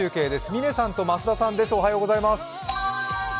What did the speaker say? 嶺さんと増田さんです。